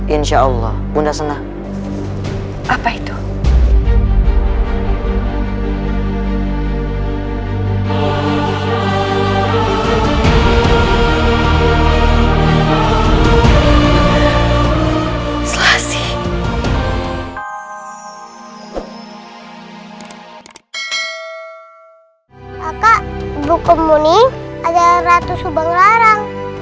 insyaallah bunda senang